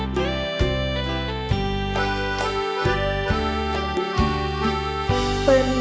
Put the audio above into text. จริง